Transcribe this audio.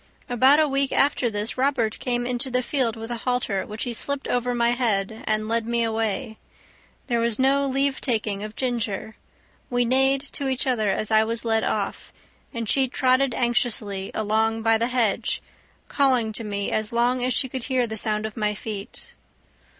About a week after this Robert came into the field with a halter, which he slipped over my head, and led me away. There was no leave taking of Ginger; we neighed to each other as I was led off, and she trotted anxiously along by the hedge, calling to me as long as she could hear the sound of my feet.